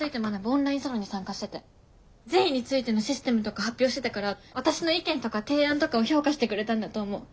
オンラインサロンに参加してて善意についてのシステムとか発表してたから私の意見とか提案とかを評価してくれたんだと思う。